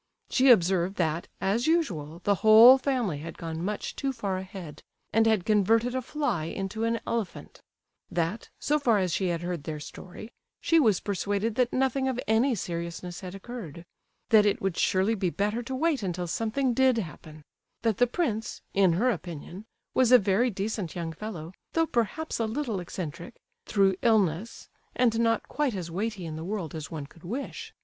She observed that, as usual, the whole family had gone much too far ahead, and had converted a fly into an elephant; that, so far as she had heard their story, she was persuaded that nothing of any seriousness had occurred; that it would surely be better to wait until something did happen; that the prince, in her opinion, was a very decent young fellow, though perhaps a little eccentric, through illness, and not quite as weighty in the world as one could wish.